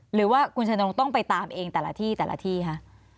หรือว่าคุณชะนงต้องไปตามเองแต่ละที่แต่ละที่คะ